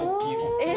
えっ！